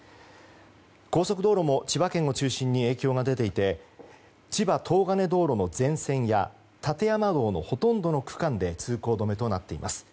高速道路も千葉県を中心に影響が出ていて千葉東金道路の全線や館山道のほとんどの区間で通行止めとなっています。